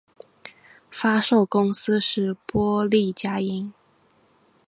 发售公司是波丽佳音。